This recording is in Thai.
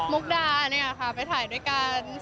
มุกดาค่ะไปถ่ายด้วยกัน